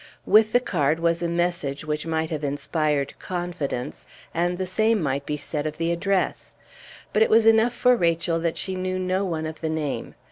With the card was a message which might have inspired confidence, and the same might be said of the address. But it was enough for Rachel that she knew no one of the name.